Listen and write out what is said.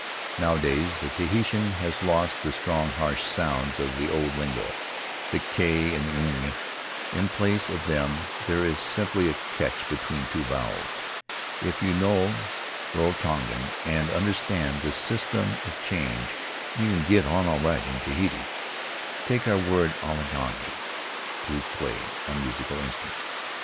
Nowadays the Tahitian has lost the strong, harsh sounds of the old lingo, the h and ng; in place of them there is simply a catch between two vowels. If you know Rarotongan and understand the system of change, you can get on all right in Tahiti. Take our word akatangi — to play a musical instrument.